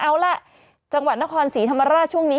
เอาล่ะจังหวัดนครศรีธรรมราชช่วงนี้